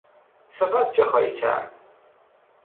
سپس چه خواهی کرد؟